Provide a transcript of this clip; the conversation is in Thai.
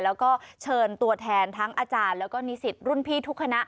แล้วก็เชิญตัวแทนทั้งอาจารย์แล้วก็นิสิตรุ่นพี่ทุกคณะ